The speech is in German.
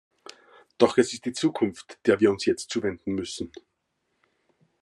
Doch es ist die Zukunft, der wir uns jetzt zuwenden müssen.